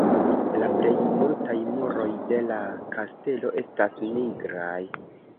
La plej multaj muroj de la kastelo estas nigraj.